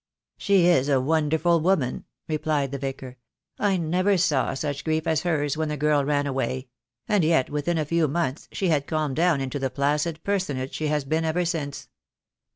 "She is a wonderful woman," replied the vicar; "I never saw such grief as hers when the girl ran away; and yet within a few months she had calmed down into the placid personage she has been ever since.